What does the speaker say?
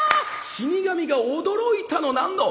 死神が驚いたのなんの！